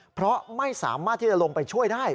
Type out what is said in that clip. เพราะไม่สามารถที่จะลงไปช่วยได้